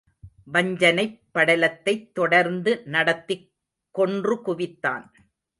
வஞ்சனைப் படலத்தைத் தொடர்ந்து நடத்திக் கொன்று குவித்தான்.